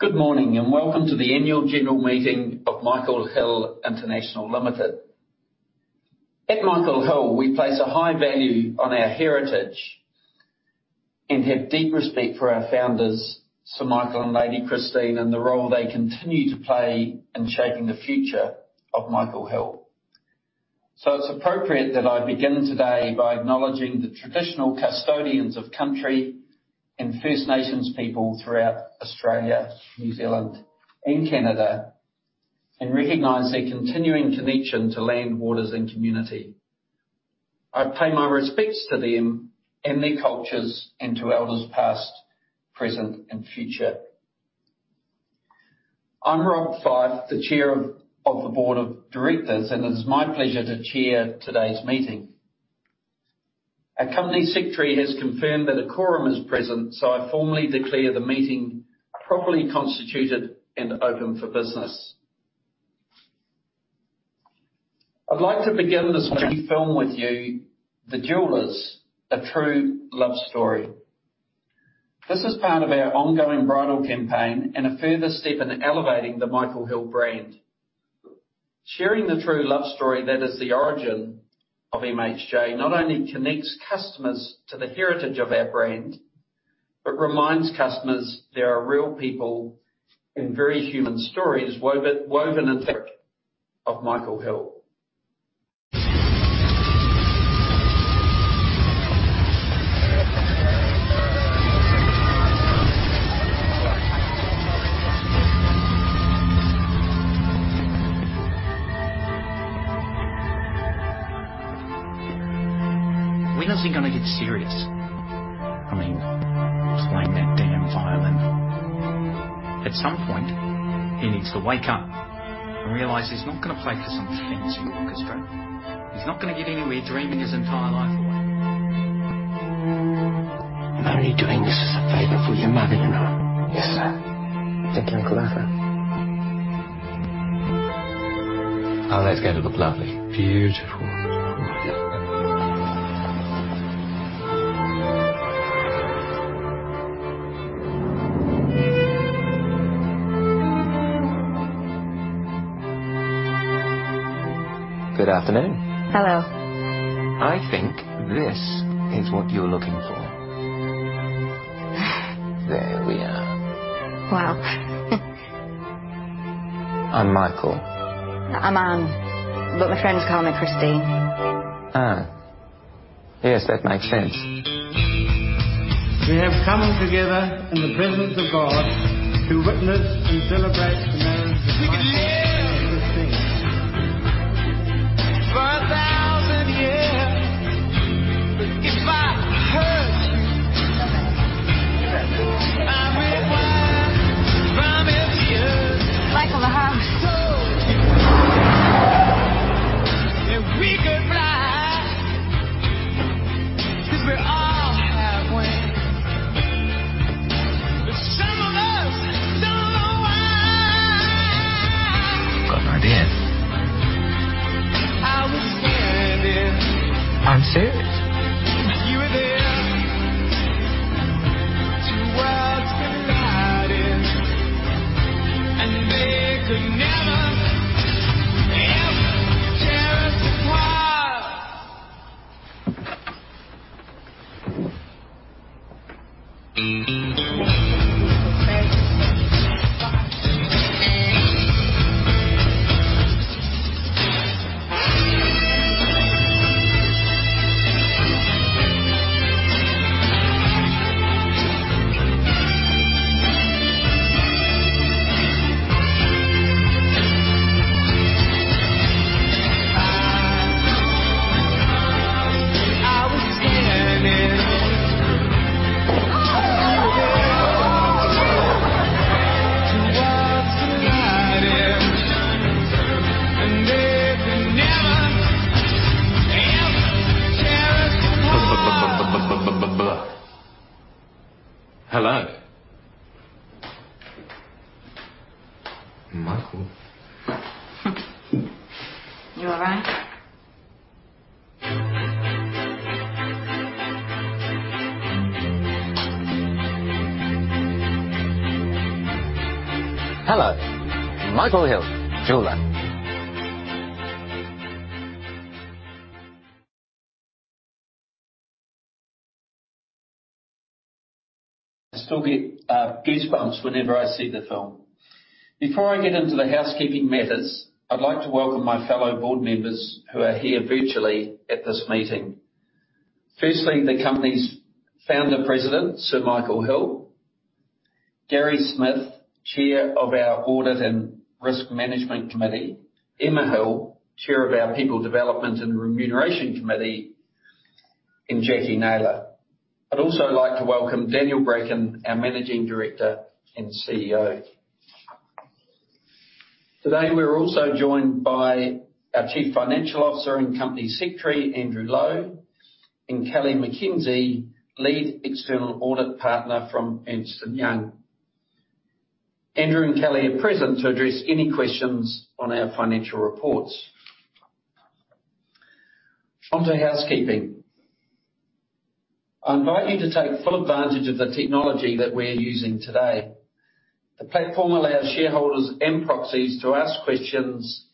Good morning, and welcome to the Annual General Meeting of Michael Hill International Limited. At Michael Hill, we place a high value on our heritage and have deep respect for our founders, Sir Michael and Lady Christine, and the role they continue to play in shaping the future of Michael Hill. It's appropriate that I begin today by acknowledging the traditional custodians of country and First Nations people throughout Australia, New Zealand and Canada, and recognize their continuing connection to land, waters, and community. I pay my respects to them and their cultures and to elders past, present, and future. I'm Rob Fyfe, the chair of the board of directors, and it is my pleasure to chair today's meeting. Our company secretary has confirmed that a quorum is present, so I formally declare the meeting properly constituted and open for business. I'd like to begin this meeting with you, The Jewellers: A True Love Story. This is part of our ongoing bridal campaign and a further step in elevating the Michael Hill brand. Sharing the true love story that is the origin of MHJ not only connects customers to the heritage of our brand, but reminds customers there are real people and very human stories woven into the fabric of Michael Hill. When is he gonna get serious? I mean, playing that damn violin. At some point, he needs to wake up and realize he's not gonna play for some fancy orchestra. He's not gonna get anywhere dreaming his entire life away. I'm only doing this as a favor for your mother, you know. Yes. Thank you, Uncle Arthur. Oh, those are gonna look lovely. Beautiful. Good afternoon. Hello. I think this is what you're looking for. There we are. Wow. I'm Michael. I'm Anne, but my friends call me Christine. Anne. Yes, that makes sense. We have come together in the presence of God to witness and celebrate the marriage of Michael and Christine. We could live for 1,000 years. If I hurt you, I would cry from the earth. Like what I have? If we could fly, 'cause we all have wings. [InaudibleI]. Got no idea. I was standing. I'm serious. You were there. Two worlds collided. They could never, ever tear us apart. I was standing. Two worlds collided. They could never, ever tear us apart. Hello. Michael. You all right? Hello. Michael Hill Jeweller. I still get goosebumps whenever I see the film. Before I get into the housekeeping matters, I'd like to welcome my fellow board members who are here virtually at this meeting. Firstly, the company's founder-president, Sir Michael Hill. Gary Smith, Chair of our Audit & Risk Management Committee. Emma Hill, Chair of our People Development & Remuneration Committee, and Jacquie Naylor. I'd also like to welcome Daniel Bracken, our Managing Director and CEO. Today, we're also joined by our Chief Financial Officer and Company Secretary, Andrew Lowe, and Kelly McKenzie, Lead External Audit Partner from Ernst & Young. Andrew and Kelly are present to address any questions on our financial reports. On to housekeeping. I invite you to take full advantage of the technology that we're using today. The platform allows shareholders and proxies to ask questions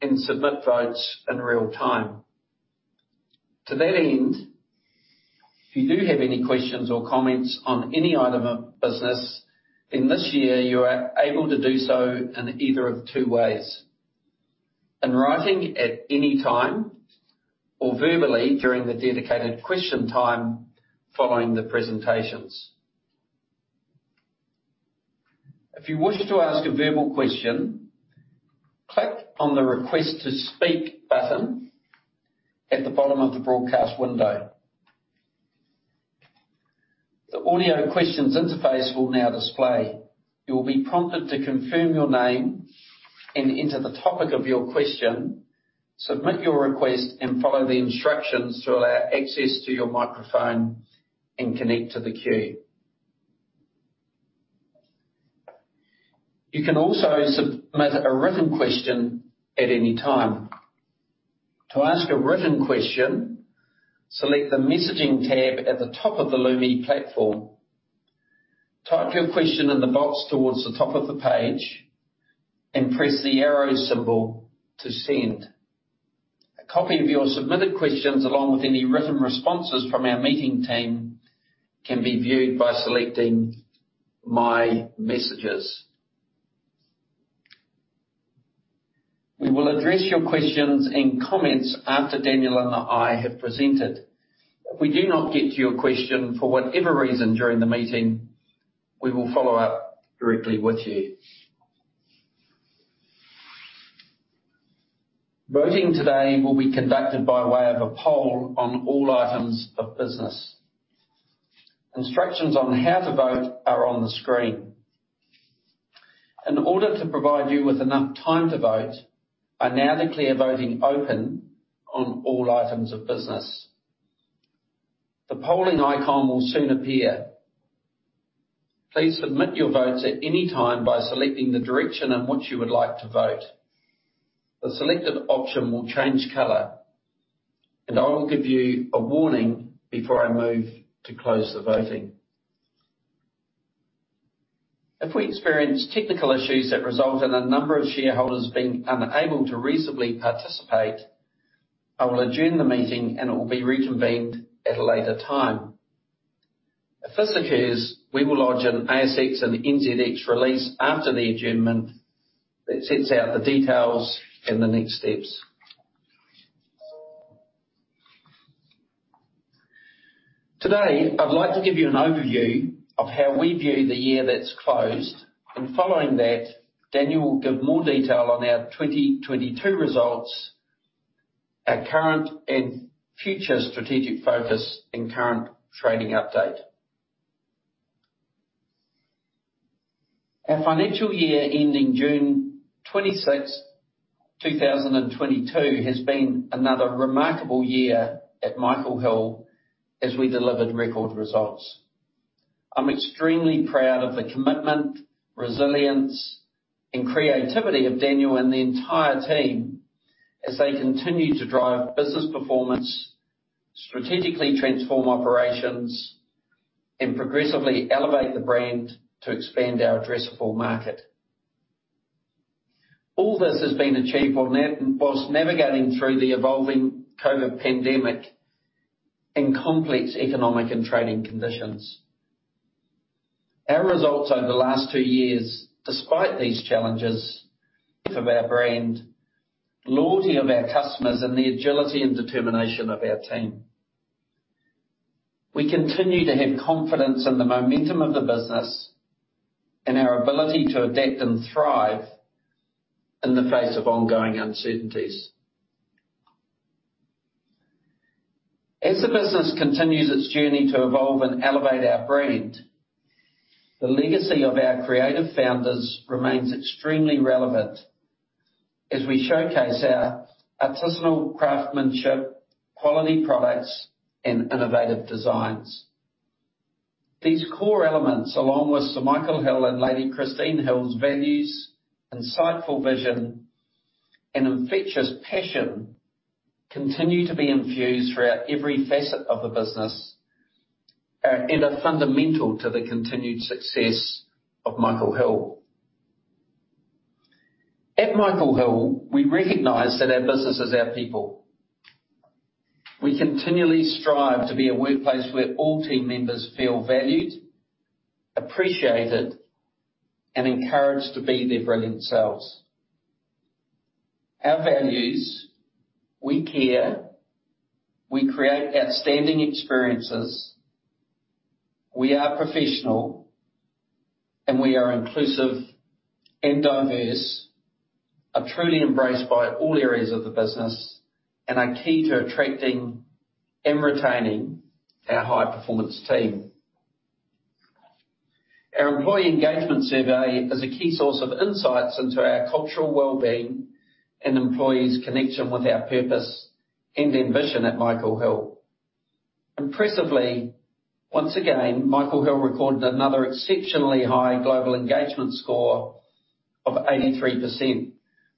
and submit votes in real time. To that end, if you do have any questions or comments on any item of business, then this year you are able to do so in either of two ways, in writing at any time or verbally during the dedicated question time following the presentations. If you wish to ask a verbal question, click on the Request to speak button at the bottom of the broadcast window. The Audio Questions interface will now display. You will be prompted to confirm your name and enter the topic of your question. Submit your request and follow the instructions to allow access to your microphone and connect to the queue. You can also submit a written question at any time. To ask a written question, select the Messaging tab at the top of the Lumi platform. Type your question in the box towards the top of the page and press the arrow symbol to send. A copy of your submitted questions along with any written responses from our meeting team can be viewed by selecting My Messages. We will address your questions and comments after Daniel and I have presented. If we do not get to your question for whatever reason during the meeting, we will follow up directly with you. Voting today will be conducted by way of a poll on all items of business. Instructions on how to vote are on the screen. In order to provide you with enough time to vote, I now declare voting open on all items of business. The polling icon will soon appear. Please submit your votes at any time by selecting the direction in which you would like to vote. The selected option will change color, and I will give you a warning before I move to close the voting. If we experience technical issues that result in a number of shareholders being unable to reasonably participate, I will adjourn the meeting, and it will be reconvened at a later time. If this occurs, we will lodge an ASX and NZX release after the adjournment that sets out the details and the next steps. Today, I'd like to give you an overview of how we view the year that's closed. Following that, Daniel will give more detail on our 2022 results, our current and future strategic focus and current trading update. Our financial year ending June 26, 2022, has been another remarkable year at Michael Hill as we delivered record results. I'm extremely proud of the commitment, resilience, and creativity of Daniel and the entire team as they continue to drive business performance, strategically transform operations, and progressively elevate the brand to expand our addressable market. All this has been achieved while navigating through the evolving COVID pandemic and complex economic and trading conditions. Our results over the last two years, despite these challenges of our brand, loyalty of our customers, and the agility and determination of our team. We continue to have confidence in the momentum of the business and our ability to adapt and thrive in the face of ongoing uncertainties. As the business continues its journey to evolve and elevate our brand, the legacy of our creative founders remains extremely relevant as we showcase our artisanal craftsmanship, quality products, and innovative designs. These core elements, along with Sir Michael Hill and Lady Christine Hill's values, insightful vision, and infectious passion, continue to be infused throughout every facet of the business, and are fundamental to the continued success of Michael Hill. At Michael Hill, we recognize that our business is our people. We continually strive to be a workplace where all team members feel valued, appreciated, and encouraged to be their brilliant selves. Our values, we care, we create outstanding experiences, we are professional, and we are inclusive and diverse, are truly embraced by all areas of the business and are key to attracting and retaining our high-performance team. Our employee engagement survey is a key source of insights into our cultural well-being and employees' connection with our purpose and ambition at Michael Hill. Impressively, once again, Michael Hill recorded another exceptionally high global engagement score of 83%,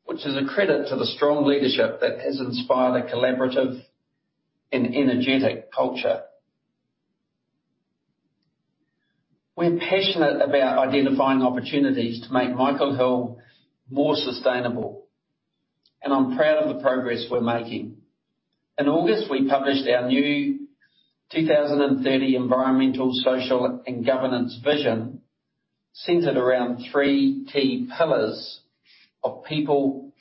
which is a credit to the strong leadership that has inspired a collaborative and energetic culture. We're passionate about identifying opportunities to make Michael Hill more sustainable, and I'm proud of the progress we're making. In August, we published our new 2030 environmental, social, and governance vision centered around three key pillars of People,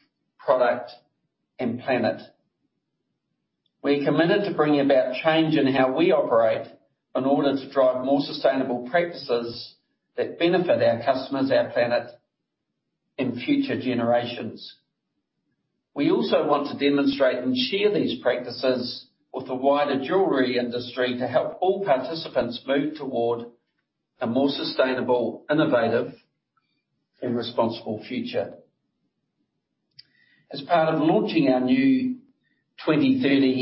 Product, and Planet. We're committed to bringing about change in how we operate in order to drive more sustainable practices that benefit our customers, our planet, and future generations. We also want to demonstrate and share these practices with the wider jewelry industry to help all participants move toward a more sustainable, innovative, and responsible future. As part of launching our new 2030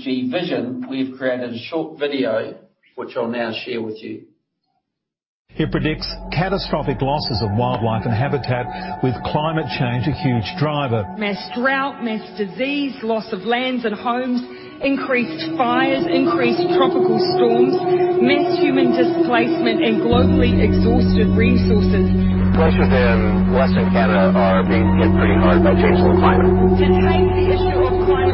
ESG vision, we've created a short video which I'll now share with you. It predicts catastrophic losses of wildlife and habitat, with climate change a huge driver. Mass drought, mass disease, loss of lands and homes, increased fires, increased tropical storms, mass human displacement, and globally exhausted resources. Places in Western Canada are being hit pretty hard by climate change. To take the issue of climate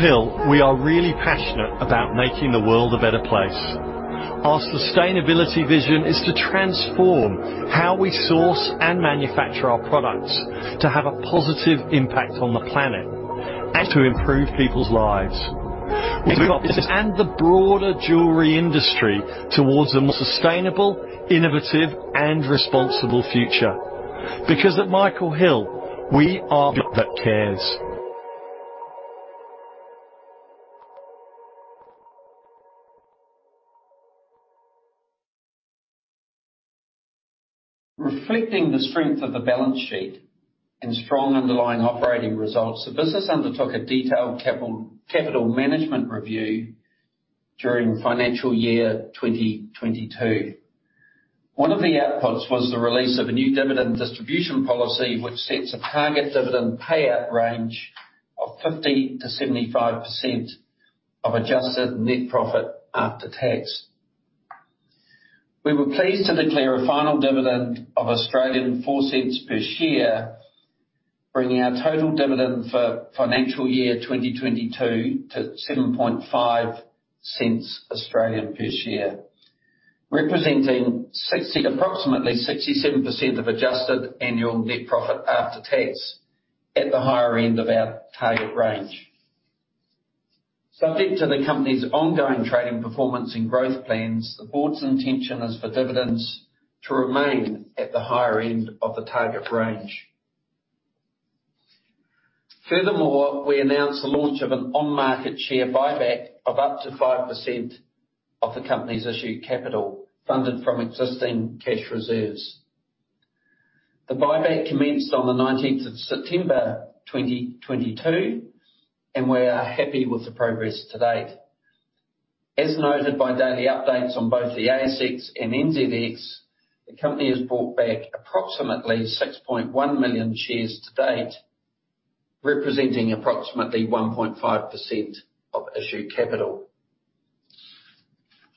change with the unprecedentedness that it deserves. At Michael Hill, we are really passionate about making the world a better place. Our sustainability vision is to transform how we source and manufacture our products to have a positive impact on the planet and to improve people's lives. The broader jewelry industry towards a more sustainable, innovative, and responsible future. Because at Michael Hill, we are [inaudible] that cares. Reflecting the strength of the balance sheet and strong underlying operating results, the business undertook a detailed capital management review during financial year 2022. One of the outputs was the release of a new dividend distribution policy, which sets a target dividend payout range of 50%-75% of adjusted net profit after tax. We were pleased to declare a final dividend of 0.04 per share, bringing our total dividend for financial year 2022 to 0.075 per share, representing approximately 67% of adjusted annual net profit after tax at the higher end of our target range. Subject to the company's ongoing trading performance and growth plans, the board's intention is for dividends to remain at the higher end of the target range. Furthermore, we announced the launch of an on-market share buyback of up to 5% of the company's issued capital, funded from existing cash reserves. The buyback commenced on September 19th, 2022, and we are happy with the progress to date. As noted by daily updates on both the ASX and NZX, the company has bought back approximately 6.1 million shares to date, representing approximately 1.5% of issued capital.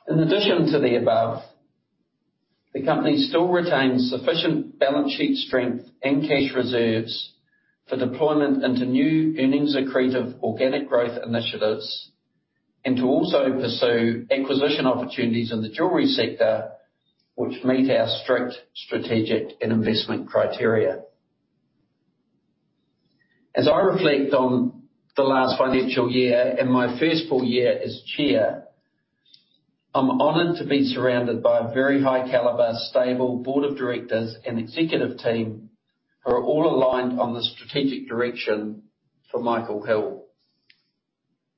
In addition to the above, the company still retains sufficient balance sheet strength and cash reserves for deployment into new earnings accretive organic growth initiatives, and to also pursue acquisition opportunities in the jewelry sector which meet our strict strategic and investment criteria. As I reflect on the last financial year and my first full year as chair, I'm honored to be surrounded by a very high caliber, stable board of directors and executive team who are all aligned on the strategic direction for Michael Hill.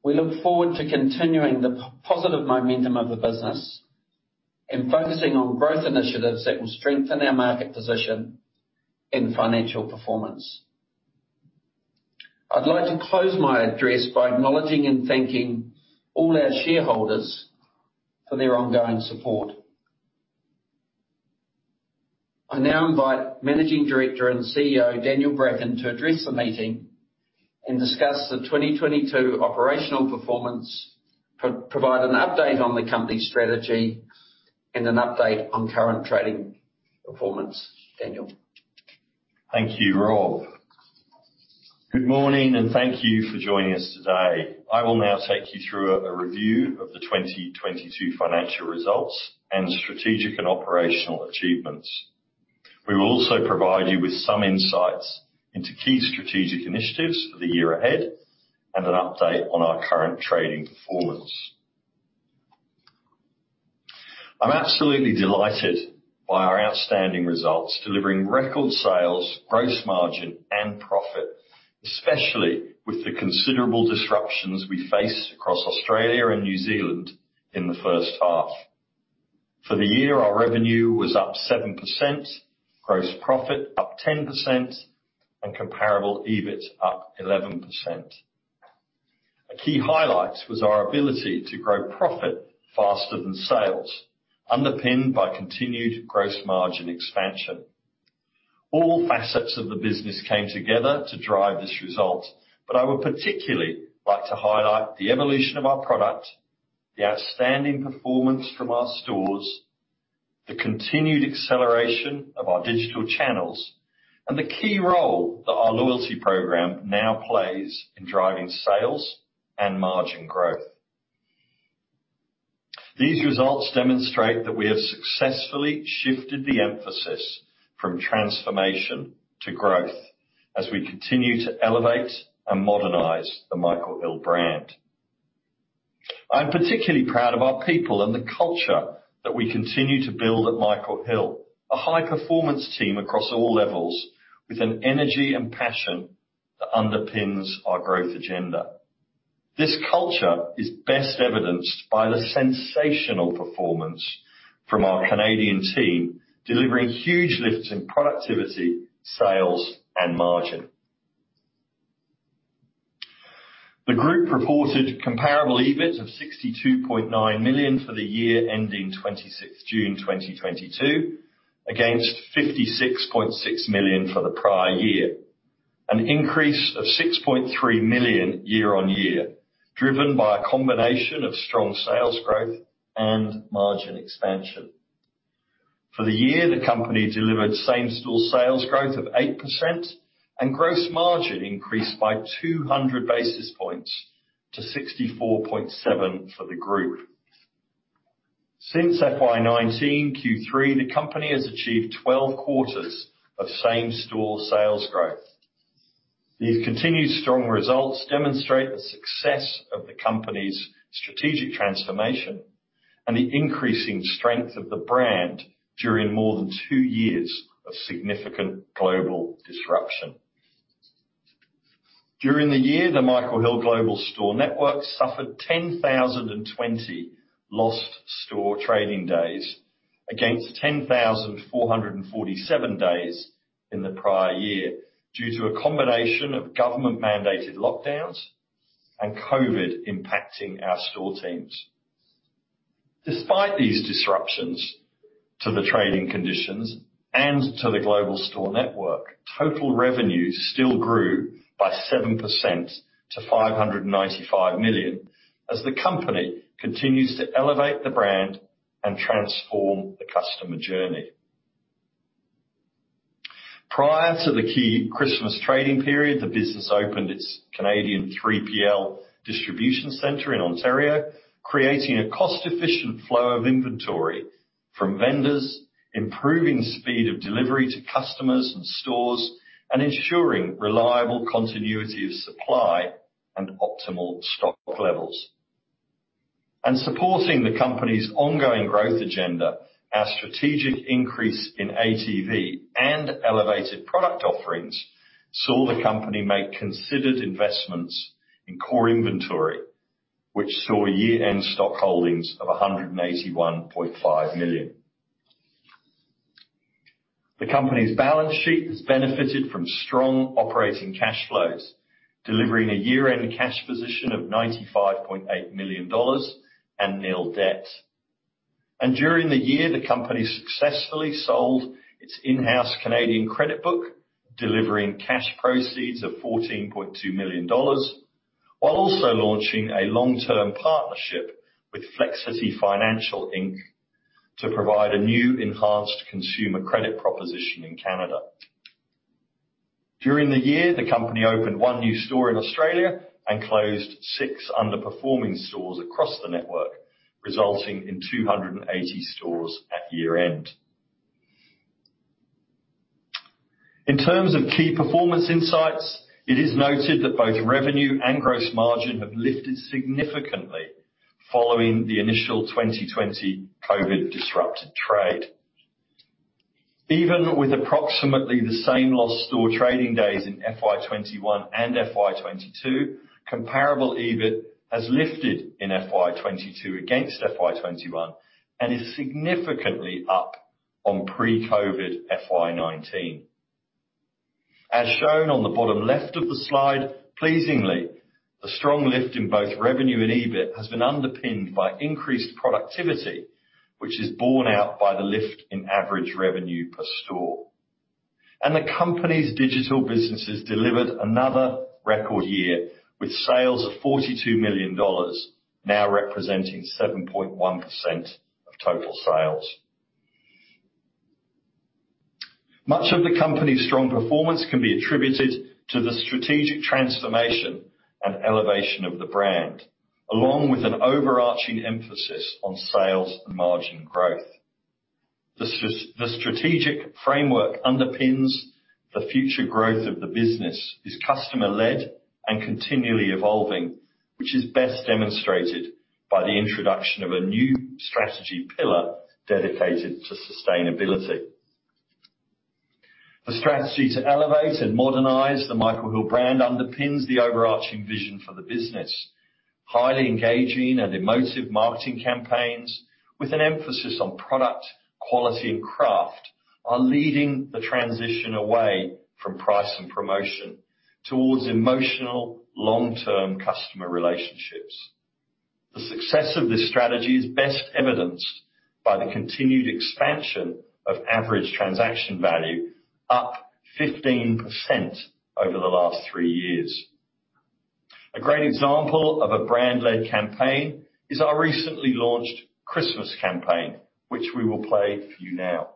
We look forward to continuing the positive momentum of the business and focusing on growth initiatives that will strengthen our market position and financial performance. I'd like to close my address by acknowledging and thanking all our shareholders for their ongoing support. I now invite Managing Director and CEO, Daniel Bracken, to address the meeting and discuss the 2022 operational performance, provide an update on the company's strategy and an update on current trading performance. Daniel. Thank you, Rob. Good morning, and thank you for joining us today. I will now take you through a review of the 2022 financial results and strategic and operational achievements. We will also provide you with some insights into key strategic initiatives for the year ahead and an update on our current trading performance. I'm absolutely delighted by our outstanding results, delivering record sales, gross margin and profit, especially with the considerable disruptions we faced across Australia and New Zealand in the first half. For the year, our revenue was up 7%, gross profit up 10%, and comparable EBIT up 11%. A key highlight was our ability to grow profit faster than sales, underpinned by continued gross margin expansion. All facets of the business came together to drive this result, but I would particularly like to highlight the evolution of our product, the outstanding performance from our stores, the continued acceleration of our digital channels, and the key role that our loyalty program now plays in driving sales and margin growth. These results demonstrate that we have successfully shifted the emphasis from transformation to growth as we continue to elevate and modernize the Michael Hill brand. I'm particularly proud of our people and the culture that we continue to build at Michael Hill. A high-performance team across all levels with an energy and passion that underpins our growth agenda. This culture is best evidenced by the sensational performance from our Canadian team, delivering huge lifts in productivity, sales and margin. The group reported comparable EBIT of 62.9 million for the year ending June 26th, 2022, against 56.6 million for the prior year. An increase of 6.3 million year-on-year, driven by a combination of strong sales growth and margin expansion. For the year, the company delivered same-store sales growth of 8%, and gross margin increased by 200 basis points to 64.7% for the group. Since FY19 Q3, the company has achieved 12 quarters of same-store sales growth. These continued strong results demonstrate the success of the company's strategic transformation and the increasing strength of the brand during more than two years of significant global disruption. During the year, the Michael Hill global store network suffered 10,020 lost store trading days against 10,447 days in the prior year, due to a combination of government-mandated lockdowns and COVID impacting our store teams. Despite these disruptions to the trading conditions and to the global store network, total revenues still grew by 7% to 595 million as the company continues to elevate the brand and transform the customer journey. Prior to the key Christmas trading period, the business opened its Canadian 3PL distribution center in Ontario, creating a cost-efficient flow of inventory from vendors, improving speed of delivery to customers and stores, and ensuring reliable continuity of supply and optimal stock levels. Supporting the company's ongoing growth agenda, our strategic increase in ATV and elevated product offerings saw the company make considered investments in core inventory, which saw year-end stock holdings of 181.5 million. The company's balance sheet has benefited from strong operating cash flows, delivering a year-end cash position of 95.8 million dollars and nil debt. During the year, the company successfully sold its in-house Canadian Credit Book, delivering cash proceeds of 14.2 million dollars, while also launching a long-term partnership with Flexiti Financial Inc. to provide a new enhanced consumer credit proposition in Canada. During the year, the company opened one new store in Australia and closed six underperforming stores across the network, resulting in 280 stores at year-end. In terms of key performance insights, it is noted that both revenue and gross margin have lifted significantly following the initial 2020 COVID disrupted trade. Even with approximately the same lost store trading days in FY21 and FY22, comparable EBIT has lifted in FY22 against FY21, and is significantly up on pre-COVID FY19. As shown on the bottom left of the slide, pleasingly, a strong lift in both revenue and EBIT has been underpinned by increased productivity, which is borne out by the lift in average revenue per store. The company's digital businesses delivered another record year with sales of 42 million dollars, now representing 7.1% of total sales. Much of the company's strong performance can be attributed to the strategic transformation and elevation of the brand, along with an overarching emphasis on sales and margin growth. The strategic framework underpins the future growth of the business is customer-led and continually evolving, which is best demonstrated by the introduction of a new strategy pillar dedicated to sustainability. The strategy to elevate and modernize the Michael Hill brand underpins the overarching vision for the business. Highly engaging and emotive marketing campaigns with an emphasis on product, quality, and craft are leading the transition away from price and promotion towards emotional long-term customer relationships. The success of this strategy is best evidenced by the continued expansion of average transaction value up 15% over the last three years. A great example of a brand-led campaign is our recently launched Christmas campaign, which we will play for you now.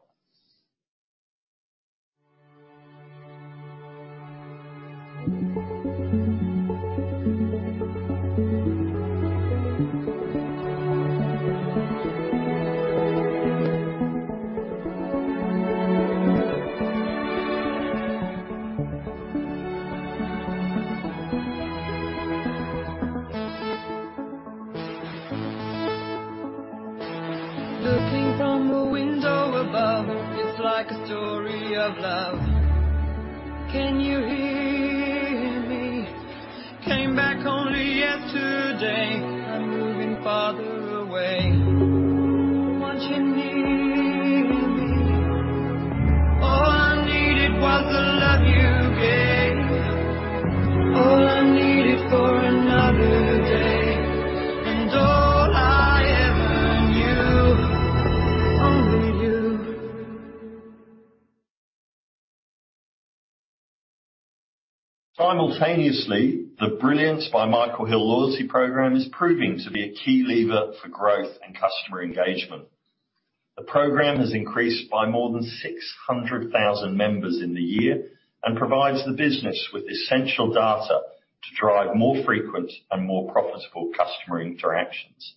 Looking from a window above. It's like a story of love. Can you hear me? Came back only yesterday. I'm moving further away. Want you near me. All I needed was the love you gave. All I needed for another day. All I ever knew, only you. Simultaneously, the Brilliance by Michael Hill loyalty program is proving to be a key lever for growth and customer engagement. The program has increased by more than 600,000 members in the year and provides the business with essential data to drive more frequent and more profitable customer interactions.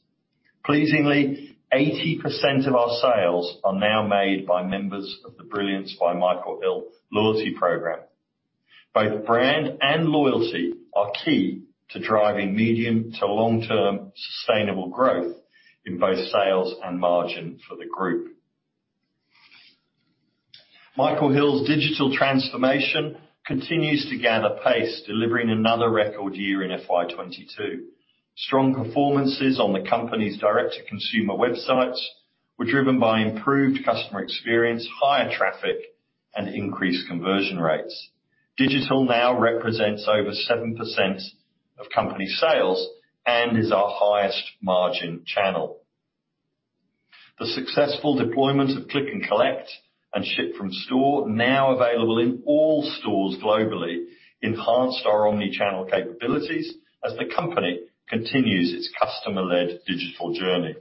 Pleasingly, 80% of our sales are now made by members of the Brilliance by Michael Hill loyalty program. Both brand and loyalty are key to driving medium to long-term sustainable growth in both sales and margin for the group. Michael Hill's digital transformation continues to gather pace, delivering another record year in FY22. Strong performances on the company's direct-to-consumer websites were driven by improved customer experience, higher traffic, and increased conversion rates. Digital now represents over 7% of company sales and is our highest margin channel. The successful deployment of click and collect and Ship from store, now available in all stores globally, enhanced our omni-channel capabilities as the company continues its customer-led digital journey.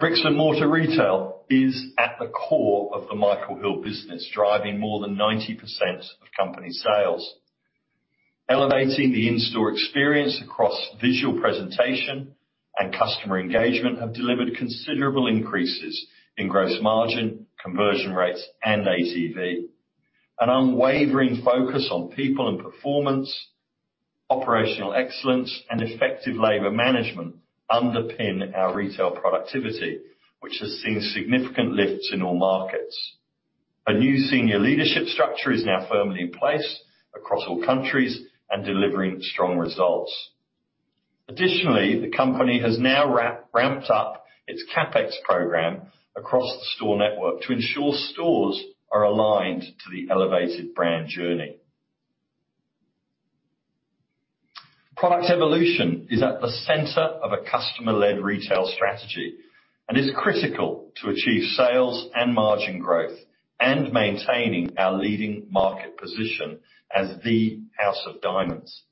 Bricks and mortar retail is at the core of the Michael Hill business, driving more than 90% of company sales. Elevating the in-store experience across visual presentation and customer engagement have delivered considerable increases in gross margin, conversion rates, and ATV. An unwavering focus on people and performance, operational excellence, and effective labor management underpin our retail productivity, which has seen significant lifts in all markets. A new senior leadership structure is now firmly in place across all countries and delivering strong results. Additionally, the company has now ramped up its CapEx program across the store network to ensure stores are aligned to the elevated brand journey. Product evolution is at the center of a customer-led retail strategy and is critical to achieve sales and margin growth, and maintaining our leading market position as the House of Diamonds.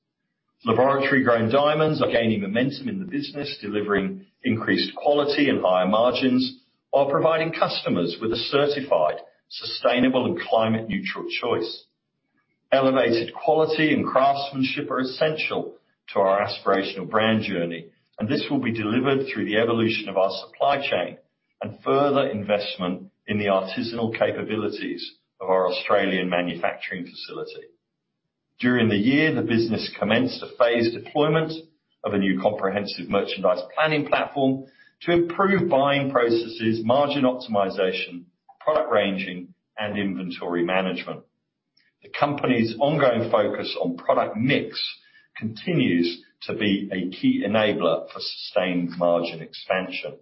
Laboratory-grown diamonds are gaining momentum in the business, delivering increased quality and higher margins, while providing customers with a certified, sustainable and climate neutral choice. Elevated quality and craftsmanship are essential to our aspirational brand journey, and this will be delivered through the evolution of our supply chain and further investment in the artisanal capabilities of our Australian manufacturing facility. During the year, the business commenced a phased deployment of a new comprehensive merchandise planning platform to improve buying processes, margin optimization, product ranging, and inventory management. The company's ongoing focus on product mix continues to be a key enabler for sustained margin expansion.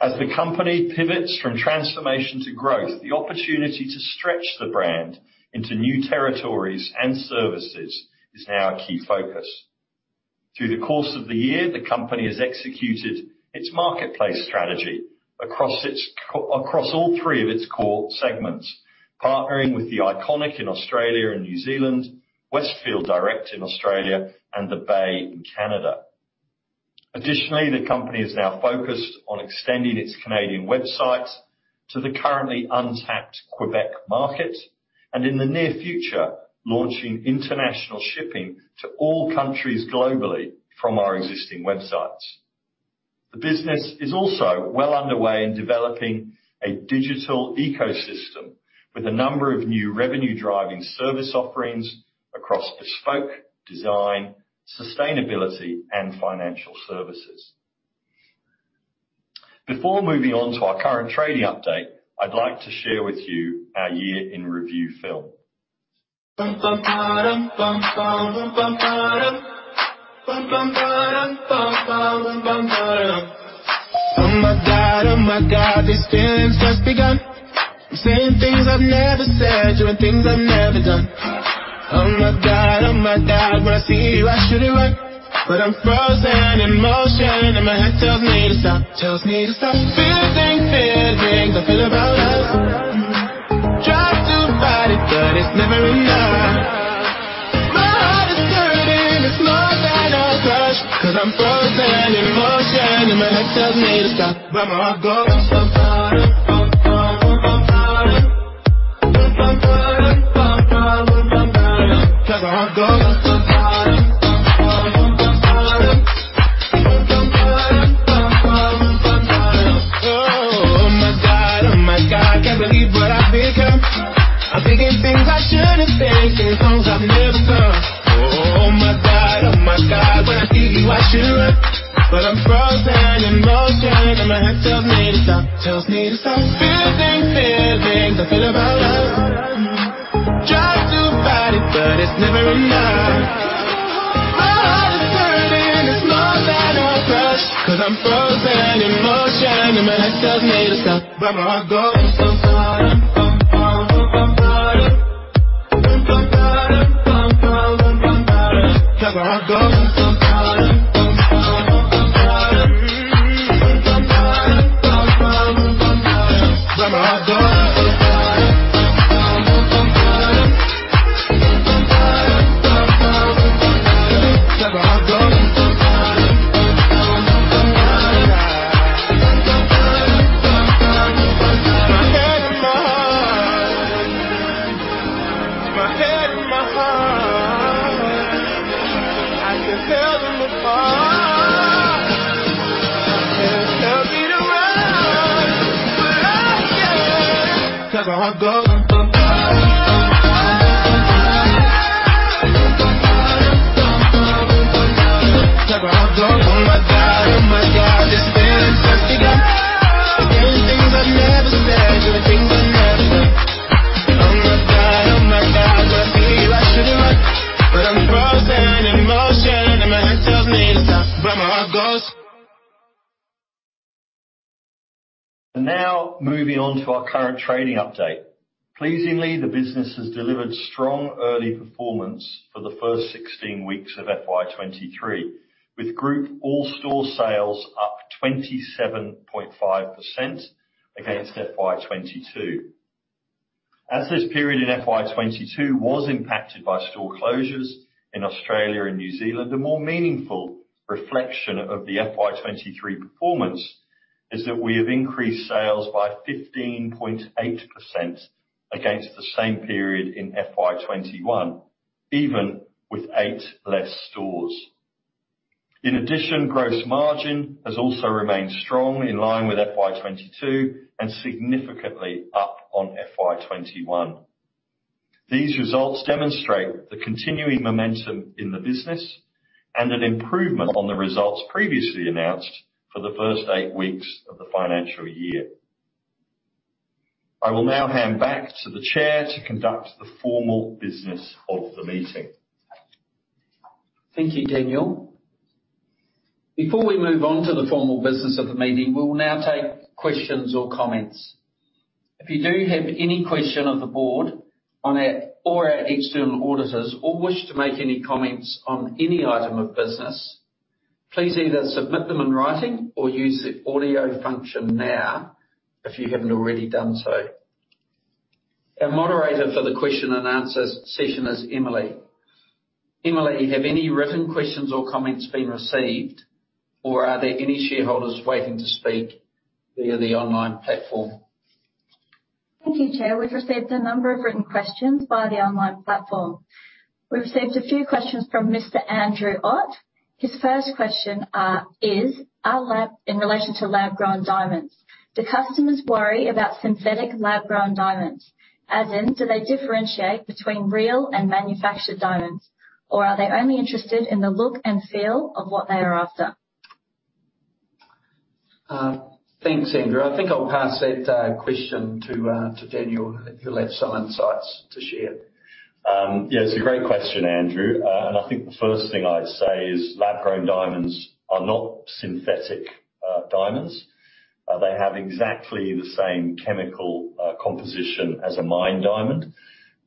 As the company pivots from transformation to growth, the opportunity to stretch the brand into new territories and services is now a key focus. Through the course of the year, the company has executed its marketplace strategy across all three of its core segments, partnering with THE ICONIC in Australia and New Zealand, Westfield Direct in Australia, and The Bay in Canada. Additionally, the company is now focused on extending its Canadian website to the currently untapped Québec market, and in the near future, launching international shipping to all countries globally from our existing websites. The business is also well underway in developing a digital ecosystem with a number of new revenue-driving service offerings across bespoke design, sustainability, and financial services. Before moving on to our current trading update, I'd like to share with you our year in review film. Oh my God. Oh my God. This feeling's just begun. I'm saying things I've never said. Doing things I've never done. Oh my God. Oh my God. When I see you, I should run. But I'm frozen in motion and my head tells me to stop, tells me to stop. Feel things, feel things I feel about us. Try to fight it but it's never enough. My heart is turning. It's more than a crush 'cause I'm frozen in motion and my head tells me to stop. Where my heart goes. Where my heart goes. Oh my God. Oh my God, can't believe what I've become. I'm thinking things I shouldn't think. Singing songs I've never sung. Oh my God. Oh my God. When I see you, I should run. But I'm frozen in motion and my head tells me to stop, tells me to stop. Feel things I feel about us. Try to fight it but it's never enough. My heart is turning. It's more than a crush 'cause I'm frozen in motion and my head tells me to stop. Where my heart goes. Oh my God. My head and my heart. I can't tell them apart. They're telling me to run. I can't. 'Cause my heart goes. Oh my God. This feeling's just begun. I'm saying things I've never said. Doing things I've never done. Oh my God. When I see you I should run. I'm frozen in motion and my head tells me to stop. Where my heart goes. Now moving on to our current trading update. Pleasingly, the business has delivered strong early performance for the first 16 weeks of FY23, with group all store sales up 27.5% against FY22. As this period in FY22 was impacted by store closures in Australia and New Zealand, the more meaningful reflection of the FY23 performance is that we have increased sales by 15.8% against the same period in FY21, even with eight less stores. In addition, gross margin has also remained strong in line with FY22 and significantly up on FY21. These results demonstrate the continuing momentum in the business and an improvement on the results previously announced for the first eight weeks of the financial year. I will now hand back to the chair to conduct the formal business of the meeting. Thank you, Daniel. Before we move on to the formal business of the meeting, we will now take questions or comments. If you do have any question of the board on our or our external auditors, or wish to make any comments on any item of business, please either submit them in writing or use the audio function now if you haven't already done so. Our moderator for the question and answer session is Emily. Emily, have any written questions or comments been received, or are there any shareholders waiting to speak via the online platform? Thank you, Chair. We've received a number of written questions via the online platform. We've received a few questions from Mr. Andrew Ott. His first question is in relation to lab-grown diamonds. Do customers worry about synthetic lab-grown diamonds? As in, do they differentiate between real and manufactured diamonds, or are they only interested in the look and feel of what they are after? Thanks, Andrew. I think I'll pass that question to Daniel, if you'll have some insights to share. Yeah, it's a great question, Andrew. I think the first thing I'd say is lab-grown diamonds are not synthetic diamonds. They have exactly the same chemical composition as a mined diamond.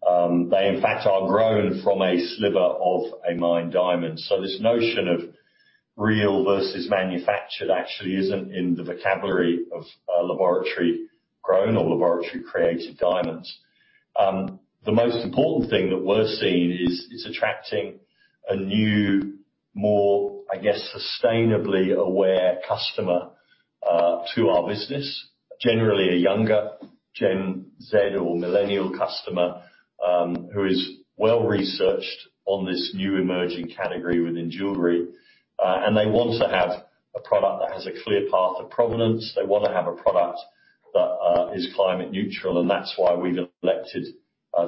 They, in fact, are grown from a sliver of a mined diamond. This notion of real versus manufactured actually isn't in the vocabulary of laboratory-grown or laboratory-created diamonds. The most important thing that we're seeing is attracting a new, more, I guess, sustainably aware customer to our business. Generally, a younger Gen Z or millennial customer, who is well-researched on this new emerging category within jewelry. They want to have a product that has a clear path of provenance. They wanna have a product that is climate neutral, and that's why we've elected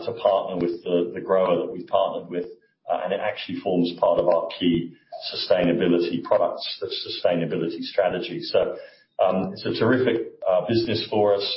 to partner with the grower that we've partnered with, and it actually forms part of our key sustainability products, the sustainability strategy. It's a terrific business for us.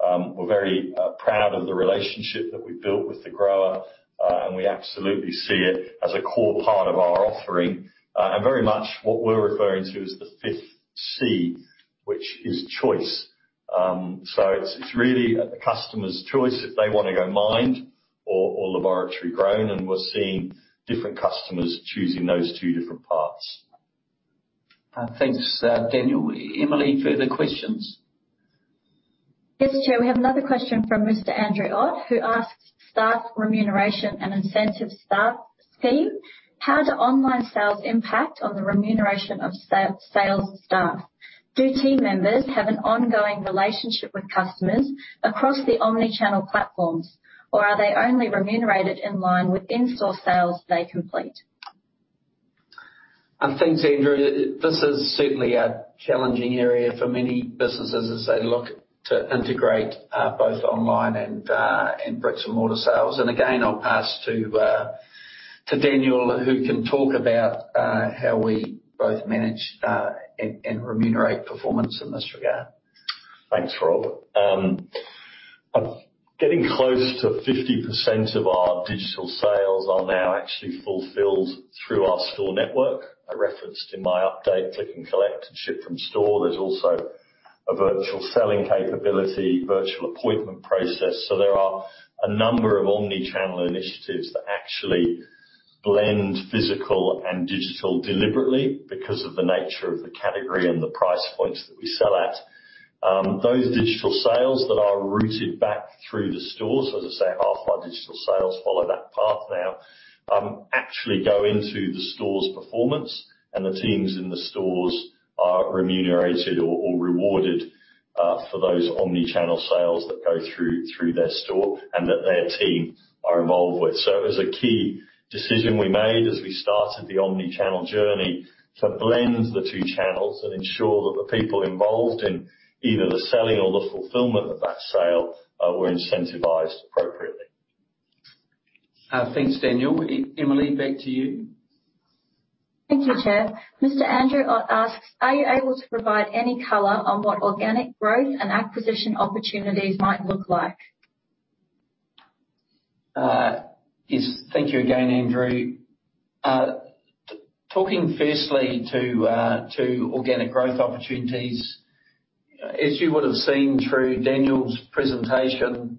We're very proud of the relationship that we've built with the grower, and we absolutely see it as a core part of our offering, and very much what we're referring to as the 5th C, which is choice. It's really at the customer's choice if they wanna go mined or laboratory grown, and we're seeing different customers choosing those two different paths. Thanks, Daniel. Emily, further questions? Yes, Chair. We have another question from Mr. Andrew Ott, who asks, staff remuneration and incentive staff scheme. How do online sales impact on the remuneration of sales staff? Do team members have an ongoing relationship with customers across the omni-channel platforms, or are they only remunerated in line with in-store sales they complete? Thanks, Andrew. This is certainly a challenging area for many businesses as they look to integrate both online and bricks and mortar sales. Again, I'll pass to Daniel, who can talk about how we both manage and remunerate performance in this regard. Thanks, Rob. Getting close to 50% of our digital sales are now actually fulfilled through our store network. I referenced in my update, click and collect and ship from store. There's also a virtual selling capability, virtual appointment process. There are a number of omni-channel initiatives that actually blend physical and digital deliberately because of the nature of the category and the price points that we sell at. Those digital sales that are routed back through the stores, as I say, half our digital sales follow that path now, actually go into the store's performance, and the teams in the stores are remunerated or rewarded for those omni-channel sales that go through their store and that their team are involved with. It was a key decision we made as we started the omni-channel journey to blend the two channels and ensure that the people involved in either the selling or the fulfillment of that sale were incentivized appropriately. Thanks, Daniel. Emily, back to you. Thank you, Chair. Mr. Andrew Ott asks, Are you able to provide any color on what organic growth and acquisition opportunities might look like? Yes. Thank you again, Andrew. Talking firstly to organic growth opportunities. As you would have seen through Daniel's presentation,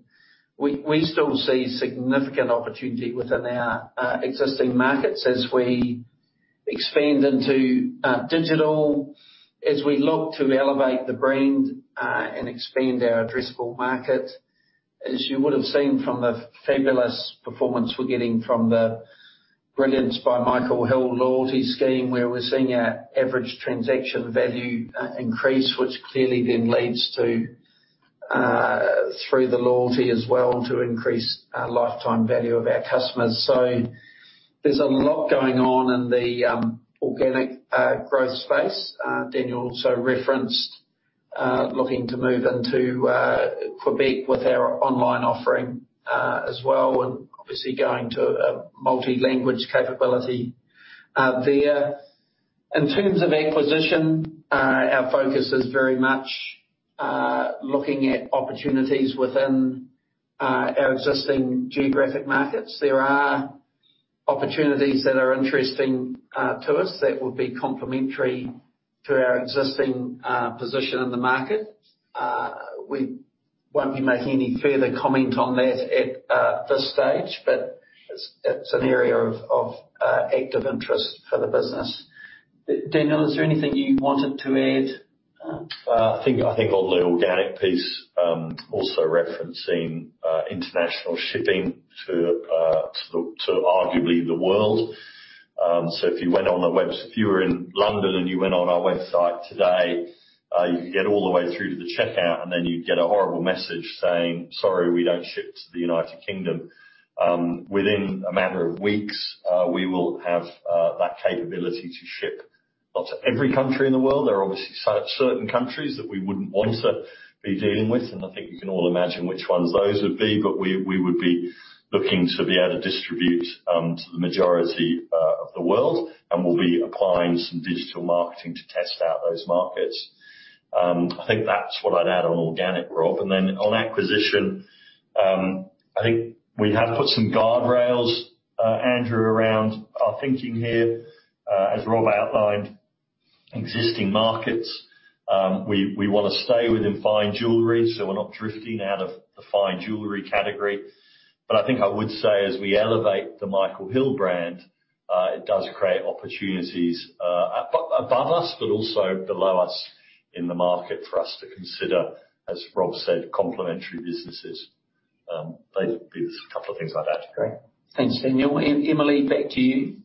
we still see significant opportunity within our existing markets as we expand into digital, as we look to elevate the brand and expand our addressable market. As you would have seen from the fabulous performance we're getting from the Brilliance by Michael Hill loyalty scheme, where we're seeing our average transaction value increase, which clearly then leads to, through the loyalty as well, to increase lifetime value of our customers. There's a lot going on in the organic growth space. Daniel also referenced looking to move into Quebec with our online offering as well, and obviously going to a multi-language capability there. In terms of acquisition, our focus is very much looking at opportunities within our existing geographic markets. There are opportunities that are interesting to us that would be complementary to our existing position in the market. We won't be making any further comment on that at this stage, but it's an area of active interest for the business. Daniel, is there anything you wanted to add? I think on the organic piece, also referencing international shipping to arguably the world. If you were in London and you went on our website today, you could get all the way through to the checkout, and then you'd get a horrible message saying, Sorry, we don't ship to the United Kingdom. Within a matter of weeks, we will have that capability to ship, not to every country in the world. There are obviously certain countries that we wouldn't want to be dealing with, and I think you can all imagine which ones those would be. We would be looking to be able to distribute to the majority of the world, and we'll be applying some digital marketing to test out those markets. I think that's what I'd add on organic, Rob. On acquisition, I think we have put some guardrails, Andrew, around our thinking here. As Rob outlined, existing markets, we wanna stay within fine jewelry, so we're not drifting out of the fine jewelry category. I think I would say as we elevate the Michael Hill brand, it does create opportunities, above us, but also below us in the market for us to consider, as Rob said, complementary businesses. They'd be a couple of things like that. Great. Thanks, Daniel. Emily, back to you.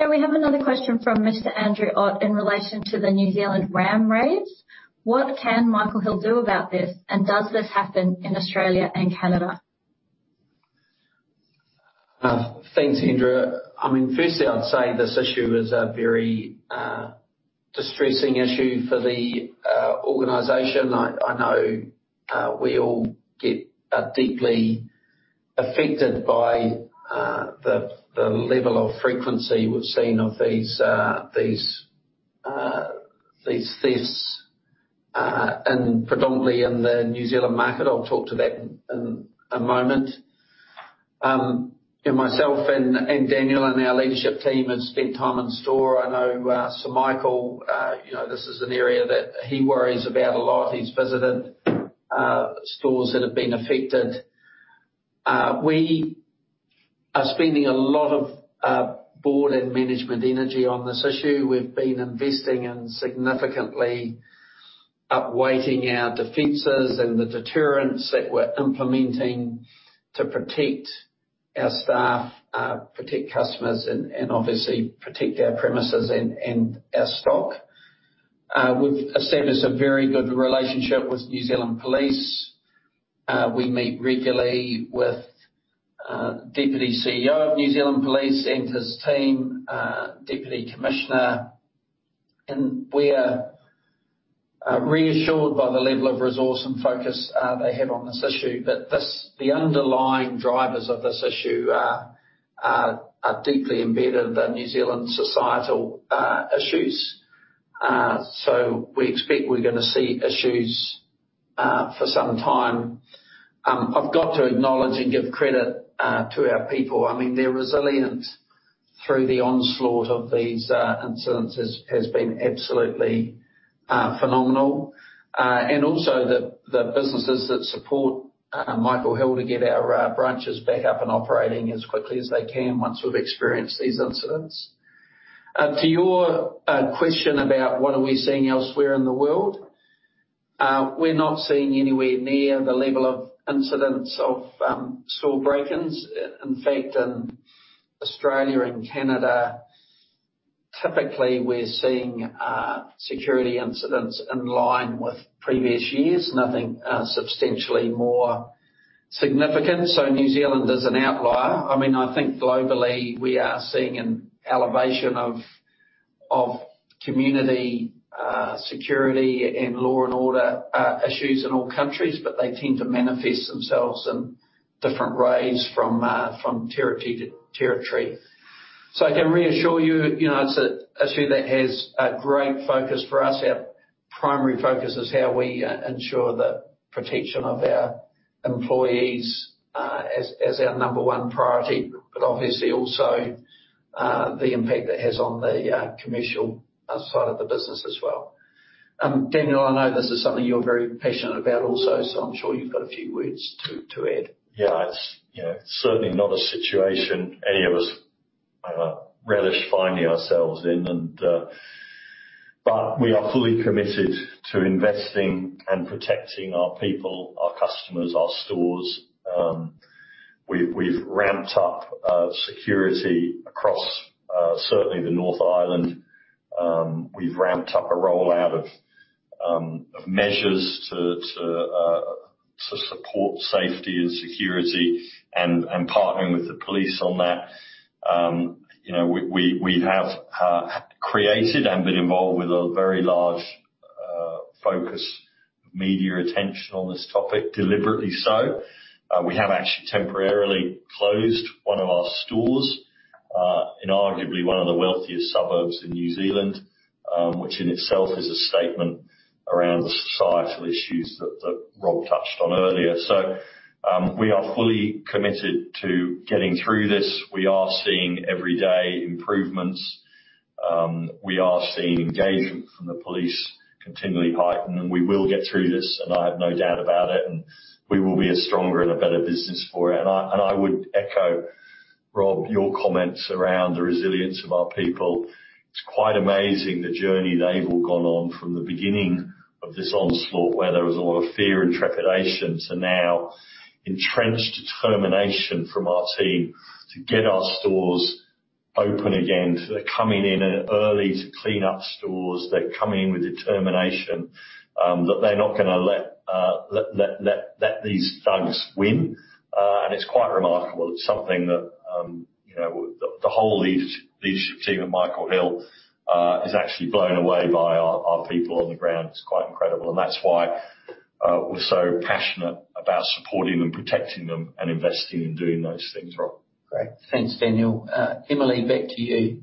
Yeah, we have another question from Mr. Andrew Ott in relation to the New Zealand ram raids. What can Michael Hill do about this, and does this happen in Australia and Canada? Thanks, Andrew. I mean, firstly I'd say this issue is a very distressing issue for the organization. I know we all get deeply affected by the level of frequency we've seen of these thefts in predominantly the New Zealand market. I'll talk to that in a moment. You know, myself and Daniel and our leadership team have spent time in store. I know Sir Michael you know this is an area that he worries about a lot. He's visited stores that have been affected. We are spending a lot of board and management energy on this issue. We've been investing in significantly upweighting our defenses and the deterrence that we're implementing to protect our staff, protect customers and obviously protect our premises and our stock. We've established a very good relationship with New Zealand Police. We meet regularly with Deputy CEO of New Zealand Police and his team, deputy commissioner, and we are reassured by the level of resource and focus they have on this issue. This, the underlying drivers of this issue are deeply embedded in New Zealand societal issues. We expect we're gonna see issues for some time. I've got to acknowledge and give credit to our people. I mean, their resilience through the onslaught of these incidents has been absolutely phenomenal. Also the businesses that support Michael Hill to get our branches back up and operating as quickly as they can once we've experienced these incidents. To your question about what we are seeing elsewhere in the world, we're not seeing anywhere near the level of incidents of store break-ins. In fact, in Australia and Canada, typically we're seeing security incidents in line with previous years. Nothing substantially more significant, so New Zealand is an outlier. I mean, I think globally we are seeing an elevation of community security and law and order issues in all countries, but they tend to manifest themselves in different ways from territory to territory. So I can reassure you know, it's an issue that has a great focus for us. Our primary focus is how we ensure the protection of our employees as our number one priority, but obviously also the impact it has on the commercial side of the business as well. Daniel, I know this is something you're very passionate about also, so I'm sure you've got a few words to add. Yeah, it's, you know, certainly not a situation any of us relished finding ourselves in, and we are fully committed to investing and protecting our people, our customers, our stores. We have ramped up security across certainly the North Island. We have ramped up a rollout of measures to support safety and security and partnering with the police on that. You know, we have created and been involved with a very large focus media attention on this topic deliberately so. We have actually temporarily closed one of our stores in arguably one of the wealthiest suburbs in New Zealand, which in itself is a statement around the societal issues that Rob touched on earlier. We are fully committed to getting through this. We are seeing every day improvements. We are seeing engagement from the police continually heighten, and we will get through this, and I have no doubt about it. We will be a stronger and a better business for it. I would echo, Rob, your comments around the resilience of our people. It's quite amazing the journey they've all gone on from the beginning of this onslaught, where there was a lot of fear and trepidation to now entrenched determination from our team to get our stores open again. They're coming in early to clean up stores. They're coming in with determination that they're not gonna let these thugs win. It's quite remarkable. It's something that you know, the whole leadership team at Michael Hill is actually blown away by our people on the ground. It's quite incredible. That's why we're so passionate about supporting and protecting them and investing in doing those things, Rob. Great. Thanks, Daniel. Emily, back to you.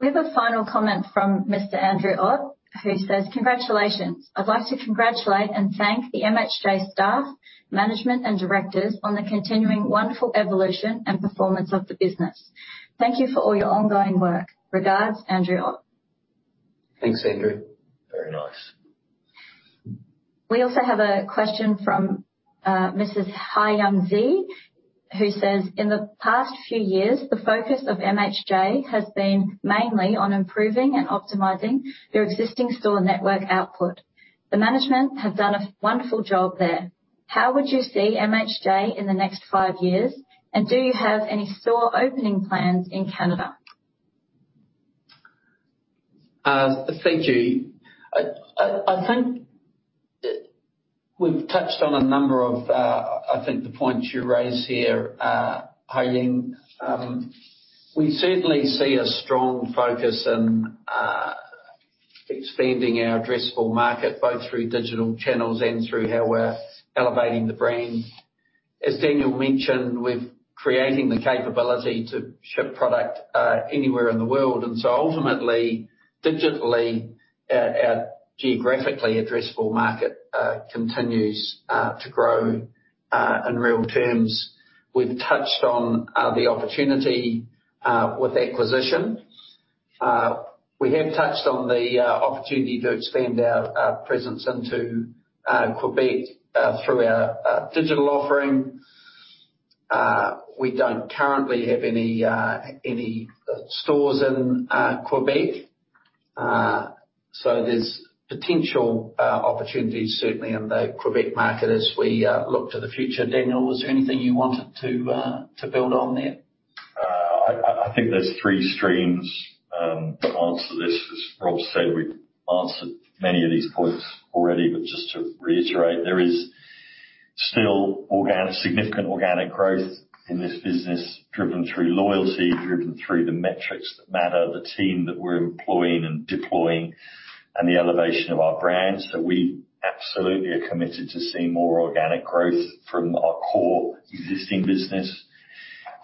We have a final comment from Mr. Andrew Ott, who says, Congratulations. I'd like to congratulate and thank the MHJ staff, management, and directors on the continuing wonderful evolution and performance of the business. Thank you for all your ongoing work. Regards, Andrew Ott. Thanks, Andrew. Very nice. We also have a question from Mrs. Hai Young Zee, who says, In the past few years, the focus of MHJ has been mainly on improving and optimizing your existing store network output. The management have done a wonderful job there. How would you see MHJ in the next five years, and do you have any store opening plans in Canada? Thank you. I think we've touched on a number of the points you raised here, Hai. We certainly see a strong focus on expanding our addressable market, both through digital channels and through how we're elevating the brand. As Daniel mentioned, we're creating the capability to ship product anywhere in the world. Ultimately, digitally, our geographically addressable market continues to grow in real terms. We've touched on the opportunity with acquisition. We have touched on the opportunity to expand our presence into Québec through our digital offering. We don't currently have any stores in Québec. There's potential opportunities certainly in the Québec market as we look to the future. Daniel, was there anything you wanted to build on there? I think there's three streams to answer this. As Rob said, we've answered many of these points already, but just to reiterate, there is still significant organic growth in this business driven through loyalty, driven through the metrics that matter, the team that we're employing and deploying, and the elevation of our brand. We absolutely are committed to seeing more organic growth from our core existing business.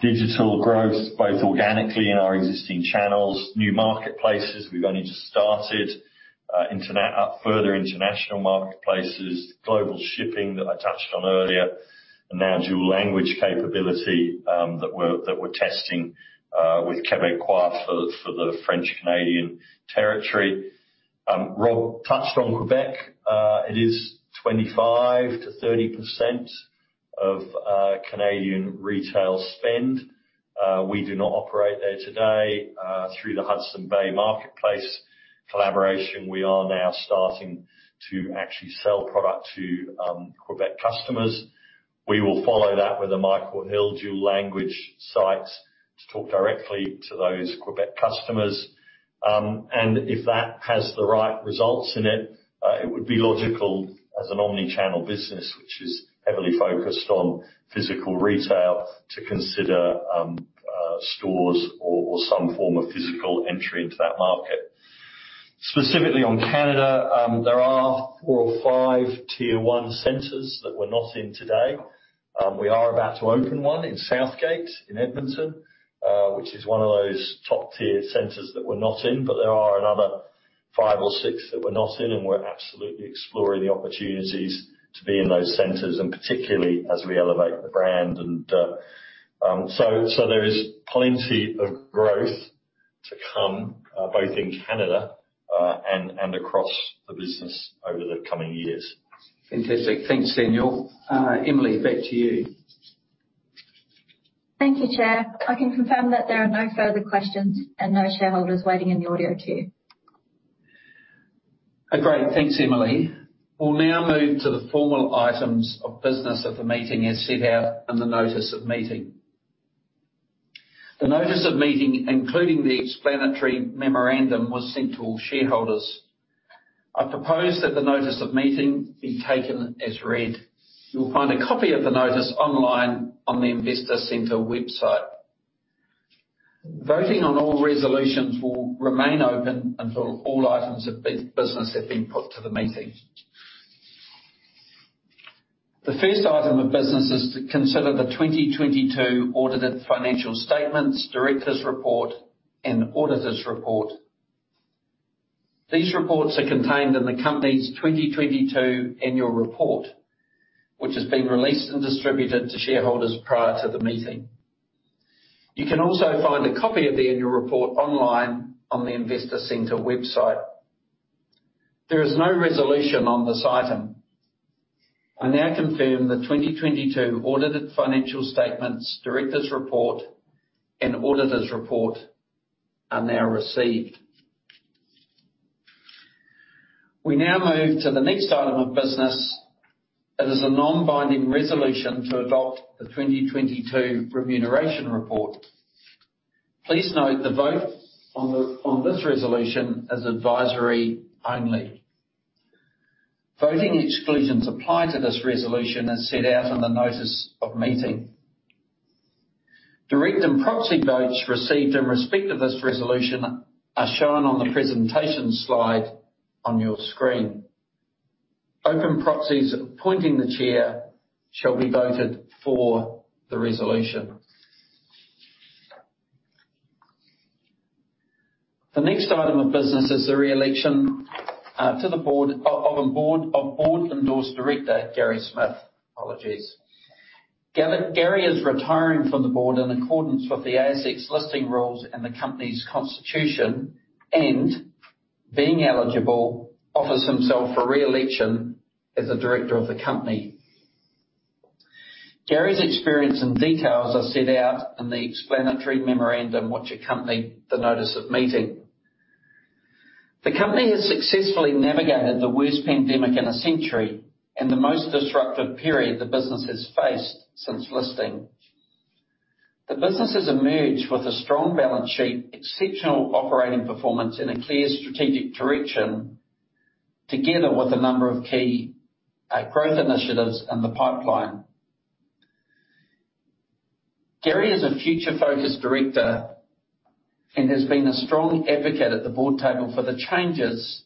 Digital growth, both organically in our existing channels. New marketplaces, we've only just started, further international marketplaces. Global shipping that I touched on earlier. Now dual language capability that we're testing with Québécois for the French Canadian territory. Rob touched on Quebec. It is 25%-30% of Canadian retail spend. We do not operate there today. Through the Hudson's Bay marketplace collaboration, we are now starting to actually sell product to Québec customers. We will follow that with a Michael Hill dual language site to talk directly to those Québec customers. If that has the right results in it would be logical as an omni-channel business, which is heavily focused on physical retail, to consider stores or some form of physical entry into that market. Specifically on Canada, there are four or five tier one centers that we're not in today. We are about to open one in Southgate in Edmonton, which is one of those top-tier centers that we're not in, but there are another five or six that we're not in, and we're absolutely exploring the opportunities to be in those centers, and particularly as we elevate the brand. There is plenty of growth to come both in Canada and across the business over the coming years. Fantastic. Thanks, Daniel. Emily, back to you. Thank you, Chair. I can confirm that there are no further questions and no shareholders waiting in the audio queue. Great. Thanks, Emily. We'll now move to the formal items of business of the meeting as set out in the notice of meeting. The notice of meeting, including the explanatory memorandum, was sent to all shareholders. I propose that the notice of meeting be taken as read. You'll find a copy of the notice online on the Investor Centre website. Voting on all resolutions will remain open until all items of business have been put to the meeting. The first item of business is to consider the 2022 audited financial statements, directors' report and auditors' report. These reports are contained in the company's 2022 annual report, which has been released and distributed to shareholders prior to the meeting. You can also find a copy of the annual report online on the Investor Centre website. There is no resolution on this item. I now confirm the 2022 audited financial statements, directors' report and auditors' report are now received. We now move to the next item of business. It is a non-binding resolution to adopt the 2022 remuneration report. Please note the vote on this resolution is advisory only. Voting exclusions apply to this resolution as set out in the notice of meeting. Direct and proxy votes received in respect of this resolution are shown on the presentation slide on your screen. Open proxies appointing the chair shall be voted for the resolution. The next item of business is the re-election to the board of a board-endorsed director Gary Smith. Apologies. Gary is retiring from the board in accordance with the ASX Listing Rules and the company's constitution, and being eligible, offers himself for re-election as a director of the company. Gary's experience and details are set out in the explanatory memorandum which accompany the notice of meeting. The company has successfully navigated the worst pandemic in a century and the most disruptive period the business has faced since listing. The business has emerged with a strong balance sheet, exceptional operating performance and a clear strategic direction, together with a number of key growth initiatives in the pipeline. Gary is a future-focused director and has been a strong advocate at the board table for the changes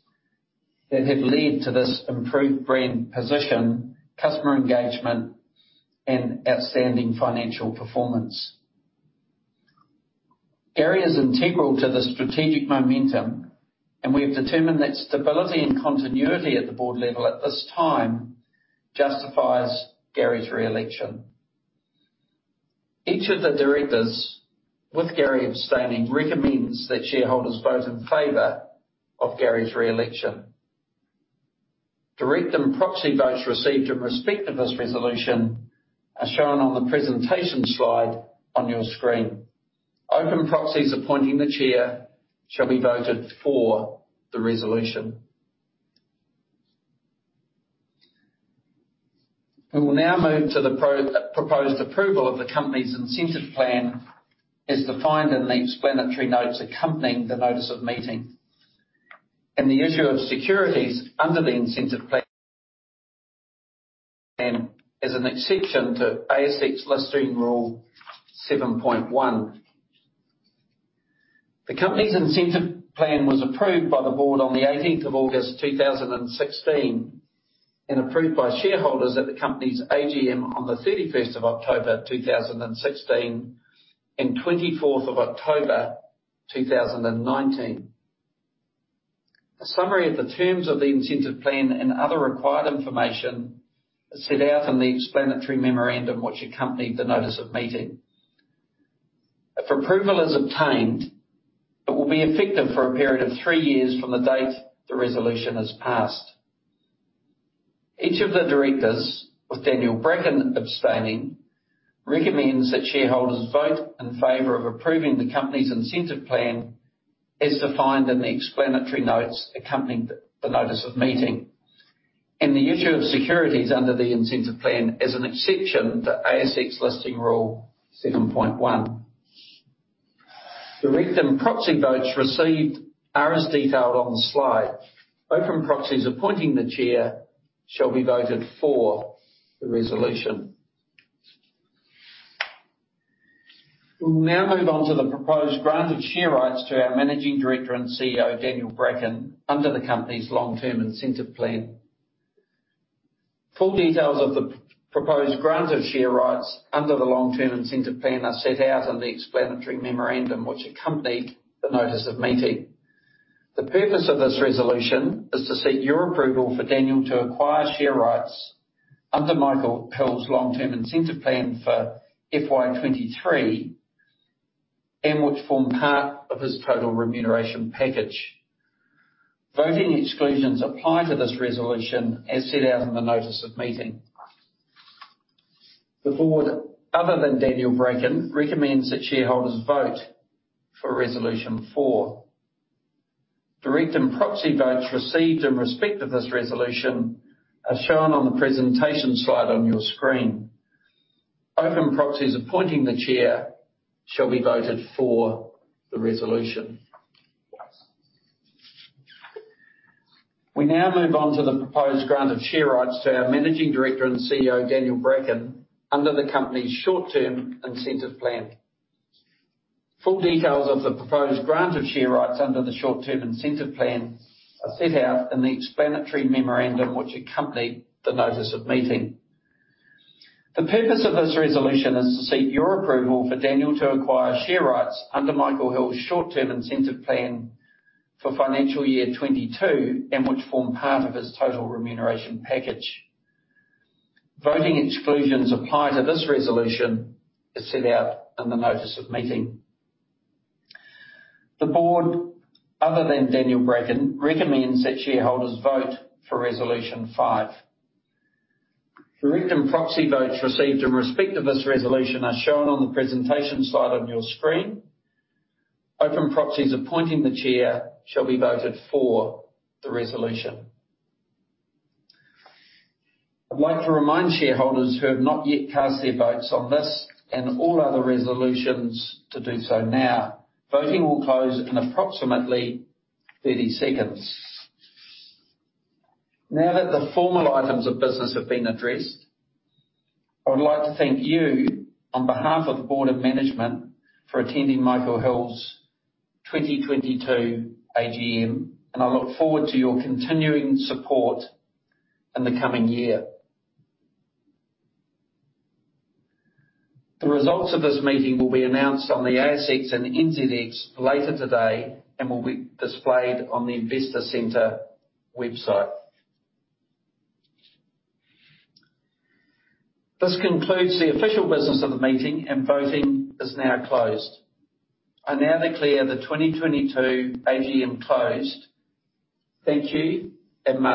that have led to this improved brand position, customer engagement and outstanding financial performance. Gary is integral to the strategic momentum, and we have determined that stability and continuity at the board level at this time justifies Gary's re-election. Each of the directors, with Gary abstaining, recommends that shareholders vote in favor of Gary's re-election. Direct and proxy votes received in respect of this resolution are shown on the presentation slide on your screen. Open proxies appointing the chair shall be voted for the resolution. We will now move to the proposed approval of the company's incentive plan, as defined in the explanatory notes accompanying the notice of meeting, and the issue of securities under the incentive plan, as an exception to ASX Listing Rule 7.1. The company's incentive plan was approved by the board on the August 18th, 2016, and approved by shareholders at the company's AGM on the October 31st, 2016 and October 24th, 2019. A summary of the terms of the incentive plan and other required information are set out in the explanatory memorandum which accompanied the notice of meeting. If approval is obtained, it will be effective for a period of three years from the date the resolution is passed. Each of the directors, with Daniel Bracken abstaining, recommends that shareholders vote in favor of approving the company's incentive plan as defined in the explanatory notes accompanying the notice of meeting, and the issue of securities under the incentive plan as an exception to ASX Listing Rule 7.1. Direct and proxy votes received are as detailed on the slide. Open proxies appointing the chair shall be voted for the resolution. We will now move on to the proposed grant of share rights to our Managing Director and CEO, Daniel Bracken under the company's Long Term Incentive Plan. Full details of the proposed grant of share rights under the Long Term Incentive Plan are set out in the explanatory memorandum which accompanied the notice of meeting. The purpose of this resolution is to seek your approval for Daniel to acquire share rights under Michael Hill's Long Term Incentive Plan for FY 23, and which form part of his total remuneration package. Voting exclusions apply to this resolution as set out in the notice of meeting. The board, other than Daniel Bracken, recommends that shareholders vote for resolution 4. Direct and proxy votes received in respect of this resolution are shown on the presentation slide on your screen. Open proxies appointing the chair shall be voted for the resolution. We now move on to the proposed grant of share rights to our Managing Director and CEO, Daniel Bracken, under the company's Short-Term Incentive Plan. Full details of the proposed grant of share rights under the Short-Term Incentive Plan are set out in the explanatory memorandum which accompany the notice of meeting. The purpose of this resolution is to seek your approval for Daniel to acquire share rights under Michael Hill's Short-Term Incentive Plan for financial year 2022, and which form part of his total remuneration package. Voting exclusions apply to this resolution as set out in the notice of meeting. The board, other than Daniel Bracken, recommends that shareholders vote for resolution 5. Direct and proxy votes received in respect of this resolution are shown on the presentation slide on your screen. Open proxies appointing the chair shall be voted for the resolution. I'd like to remind shareholders who have not yet cast their votes on this and all other resolutions to do so now. Voting will close in approximately 30 seconds. Now that the formal items of business have been addressed, I would like to thank you on behalf of the board of management for attending Michael Hill's 2022 AGM, and I look forward to your continuing support in the coming year. The results of this meeting will be announced on the ASX and NZX later today and will be displayed on the Investor Centre website. This concludes the official business of the meeting, and voting is now closed. I now declare the 2022 AGM closed. Thank you and may-